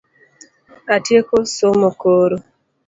Atieko somo koro